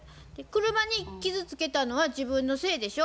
車に傷つけたのは自分のせいでしょ。